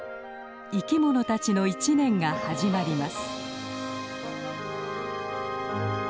生きものたちの一年が始まります。